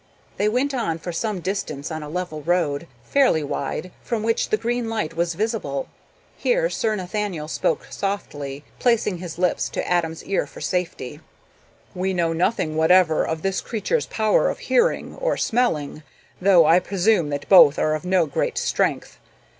They went on for some distance on a level road, fairly wide, from which the green light was visible. Here Sir Nathaniel spoke softly, placing his lips to Adam's ear for safety. "We know nothing whatever of this creature's power of hearing or smelling, though I presume that both are of no great strength.